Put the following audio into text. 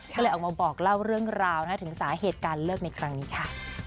ก็เลยออกมาบอกเล่าเรื่องราวถึงสาเหตุการเลิกในครั้งนี้ค่ะ